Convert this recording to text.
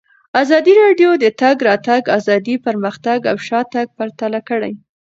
ازادي راډیو د د تګ راتګ ازادي پرمختګ او شاتګ پرتله کړی.